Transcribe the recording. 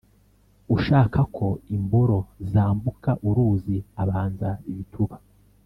Ushaka ko imboro zambuka uruzi abanza ibituba.